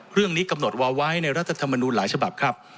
เรื่องนี้กำหนดวาไว้ในรัฐธรรมนูลหลายฉบับครับ